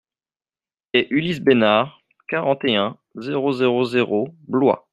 Quai Ulysse Besnard, quarante et un, zéro zéro zéro Blois